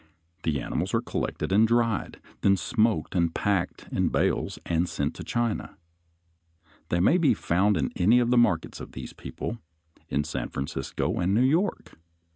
The animals are collected and dried, then smoked and packed in bales and sent to China. They may be found in any of the markets of these people, in San Francisco and New York.